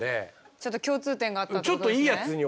ちょっと共通点があったということですね。